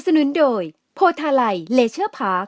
นุนโดยโพทาไลเลเชอร์พาร์